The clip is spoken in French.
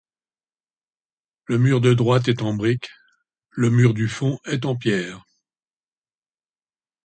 Le mur de droite est en brique, le mur du fond est en pierre.